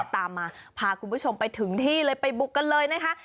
ตามมาพาคุณผู้ชมไปถึงที่เลยไปบุกกันเลยนะคะ